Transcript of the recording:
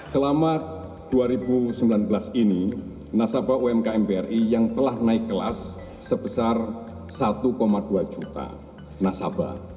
selama dua ribu sembilan belas ini nasabah umkm bri yang telah naik kelas sebesar satu dua juta nasabah